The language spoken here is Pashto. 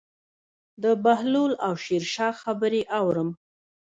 د بهلول او شیرشاه خبرې اورم.